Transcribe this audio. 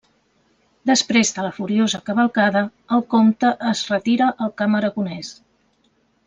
Després de la furiosa cavalcada, el comte es retira al camp aragonès.